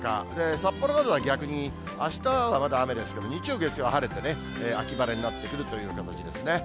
札幌などは逆にあしたはまだ雨ですけど、日曜、月曜は晴れて秋晴れになってくるという形ですね。